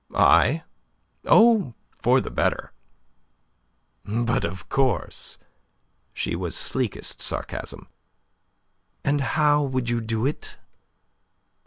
"I? Oh, for the better." "But of course!" She was sleekest sarcasm. "And how would you do it?"